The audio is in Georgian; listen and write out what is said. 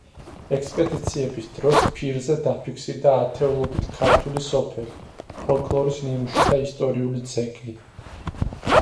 ექსპედიციების დროს ფირზე დაფიქსირდა ათეულობით ქართული სოფელი, ფოლკლორის ნიმუში და ისტორიული ძეგლი.